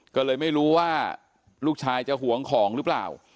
ก็เลยไม่รู้ว่าลูกชายจะหวงของหรือเปล่า